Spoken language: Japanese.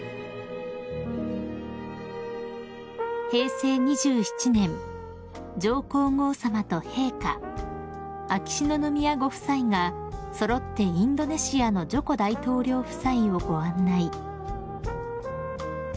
［平成２７年上皇后さまと陛下秋篠宮ご夫妻が揃ってインドネシアのジョコ大統領夫妻をご案内］